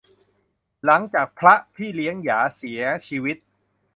หลังจากพระพี่เลี้ยงหยาเสียชีวิต